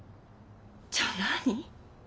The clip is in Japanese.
じゃあ何？